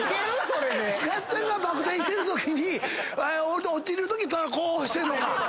塚っちゃんがバク転してるときに落ちるときからこうしてんのか。